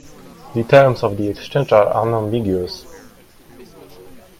The terms of the exchange are unambiguous.